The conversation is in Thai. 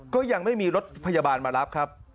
ก็ยังไม่มีรถพยาบาลมารับครับ